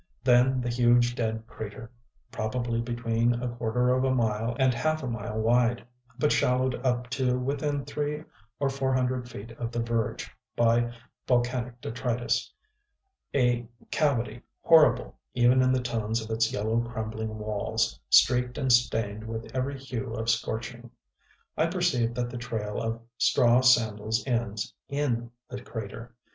Then the huge dead crater, probably between a quarter of a mile and half a mile wide, but shallowed up to within three or four hundred feet of the verge by volcanic detritus, a cavity horrible even in the tones of its yellow crumbling walls, streaked and stained with every hue of scorching. I perceive that the trail of straw sandals ends in the crater.